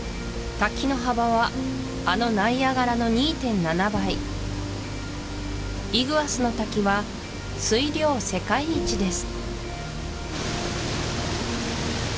滝の幅はあのナイアガラの２．７倍イグアスの滝は水量世界一です